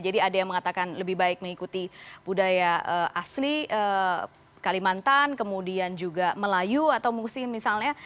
jadi ada yang mengatakan lebih baik mengikuti budaya asli kalimantan kemudian juga melayu atau musim misalnya